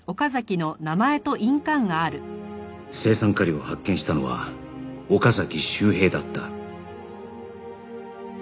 青酸カリを発見したのは岡崎周平だった